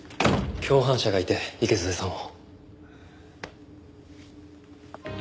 共犯者がいて池添さんを。